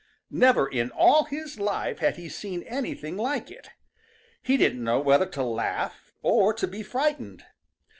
Never in all his life had he seen anything like it. He didn't know whether to laugh or to be frightened.